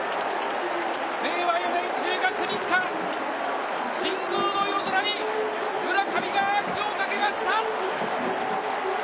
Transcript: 令和４年１０月３日神宮の夜空に村上がアーチをかけました。